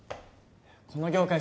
この業界